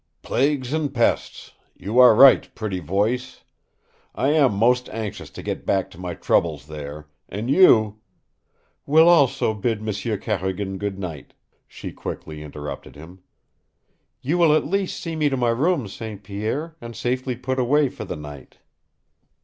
"Plagues and pests! You are right, Pretty Voice! I am most anxious to get back to my troubles there, and you " "Will also bid M'sieu Carrigan good night," she quickly interrupted him. "You will at least see me to my room, St. Pierre, and safely put away for the night."